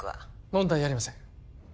問題ありません